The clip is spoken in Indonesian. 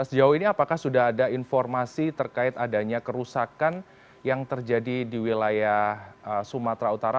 sejauh ini apakah sudah ada informasi terkait adanya kerusakan yang terjadi di wilayah sumatera utara